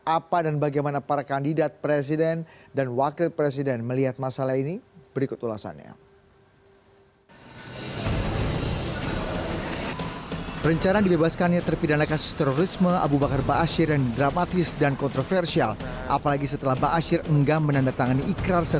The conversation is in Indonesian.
apa dan bagaimana para kandidat presiden dan wakil presiden melihat masalah ini berikut ulasannya